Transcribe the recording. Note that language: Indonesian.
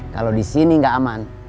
kalau disini gak aman